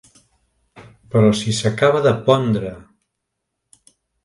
Però si s'acaba de pondre!